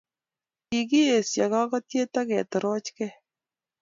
Kikiesho kakatiet ak ketorochkei